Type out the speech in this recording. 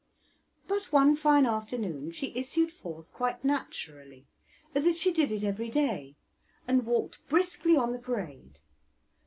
But one fine afternoon she issued forth quite naturally, as if she did it every day, and walked briskly on the parade.